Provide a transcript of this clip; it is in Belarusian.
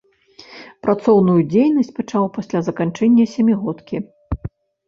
Працоўную дзейнасць пачаў пасля заканчэння сямігодкі.